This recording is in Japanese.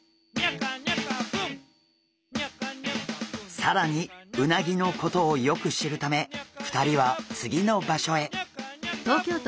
更にうなぎのことをよく知るため２人は次の場所へ。